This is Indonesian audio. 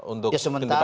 untuk dititipkan ke rutan